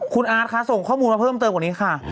คุณอาร์ตค่ะส่งข้อมูลมาเพิ่มเติมกว่านี้ค่ะ